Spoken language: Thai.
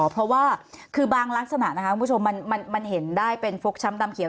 เพราะว่าคือบางลักษณะนะคะคุณผู้ชมมันเห็นได้เป็นฟกช้ำดำเขียว